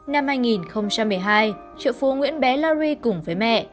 năm hai nghìn một mươi hai triệu phú nguyễn bé larry cùng với mẹ